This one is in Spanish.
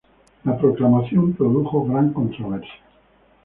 La proclamación produjo gran controversia.